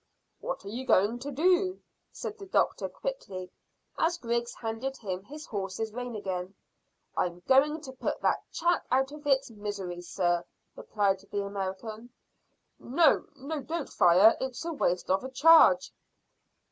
"What are you going to do?" said the doctor quickly, as Griggs handed him his horse's rein again. "I'm going to put that chap out of his misery, sir," replied the American. "No, no; don't fire. It's waste of a charge."